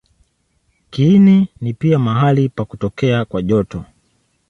Kiini ni pia mahali pa kutokea kwa joto.